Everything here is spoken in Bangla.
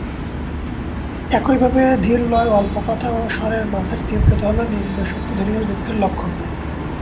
একইভাবে, "ধীর লয়, অল্প কথা ও স্বরের মাঝারি তীব্রতা হল নিম্ন শক্তিস্তরীয় দুঃখের লক্ষণ"।